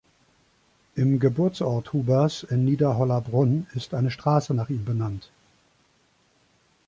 Im Geburtsort Hubers in Niederhollabrunn ist eine Straße nach ihm benannt.